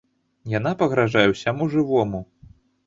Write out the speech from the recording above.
Яна пагражае ўсяму жывому.